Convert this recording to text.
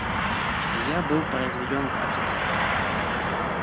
Я был произведен в офицеры.